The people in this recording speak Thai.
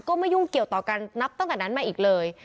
ไม่ยุ่งเกี่ยวต่อกันนับตั้งแต่นั้นมาอีกเลย